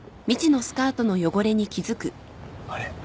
あれ？